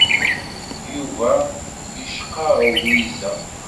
Yuba yecqarrew Lwiza.